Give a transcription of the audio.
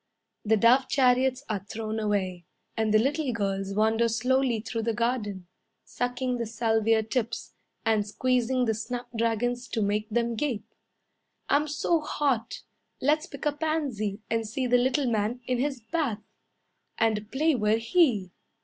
The dove chariots are thrown away, And the little girls wander slowly through the garden, Sucking the salvia tips, And squeezing the snapdragons To make them gape. "I'm so hot, Let's pick a pansy And see the little man in his bath, And play we're he."